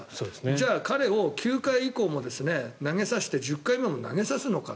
じゃあ、彼を９回以降も投げさせて１０回目も投げさせるのか。